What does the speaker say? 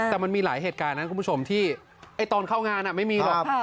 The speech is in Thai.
แต่มันมีหลายเหตุการณ์นะคุณผู้ชมที่ตอนเข้างานไม่มีหรอก